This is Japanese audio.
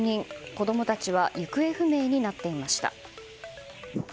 子供たちは行方不明になっていました。